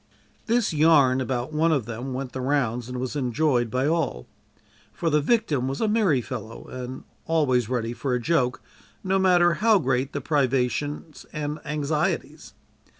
This "yarn" about one of them went the rounds and was enjoyed by all, for the "victim" was a merry fellow and always ready for a joke, no matter how great the privations and anxieties.